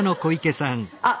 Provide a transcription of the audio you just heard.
あっ。